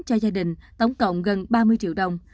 cho gia đình tổng cộng gần ba mươi triệu đồng